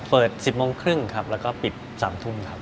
เปิด๑๐โมงครึ่งครับแล้วก็ปิด๓ทุ่มครับ